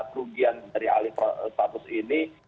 kerugian dari alih status ini